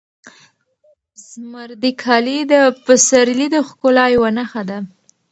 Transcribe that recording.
زمردي کالي د پسرلي د ښکلا یوه نښه ده.